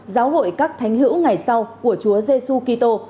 giáo hội các thánh hữu ngày sau của chúa giê xu kỳ tô